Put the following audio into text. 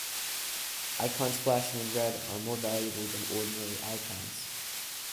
Icons flashing in red are more valuable than ordinary icons.